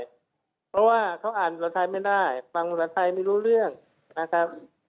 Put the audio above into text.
เพราะว่าเขาอ่านภาษาไทยไม่ได้ฟังภาษาไทยไม่รู้เรื่องนะครับ